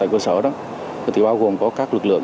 còn tốt hơn